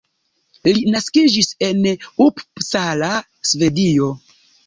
Li naskiĝis en Uppsala, Svedio.